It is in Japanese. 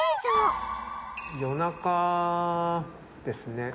夜中ですね。